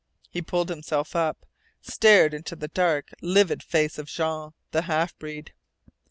He pulled himself up, stared into the dark, livid face of Jean, the half breed.